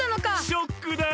ショックだろ！